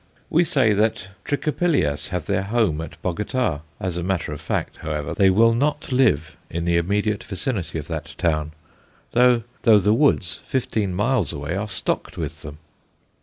We say that Trichopilias have their home at Bogota. As a matter of fact, however, they will not live in the immediate vicinity of that town, though the woods, fifteen miles away, are stocked with them.